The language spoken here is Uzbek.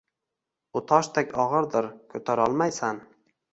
U toshdek og’irdir… Ko’tarolmaysan.